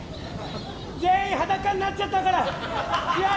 全員裸になっちゃったからえ？